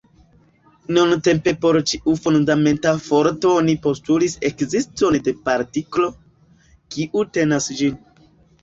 Nuntempe por ĉiu fundamenta forto oni postulis ekziston de partiklo, kiu tenas ĝin.